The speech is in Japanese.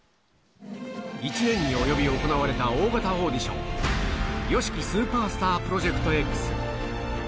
１年に及び行われた大型オーディション、ＹＯＳＨＩＫＩＳＵＰＥＲＳＴＡＲＰＲＯＪＥＣＴＸ。